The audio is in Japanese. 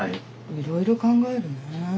いろいろ考えるね。